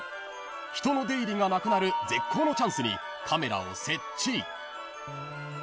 ［人の出入りがなくなる絶好のチャンスにカメラを設置］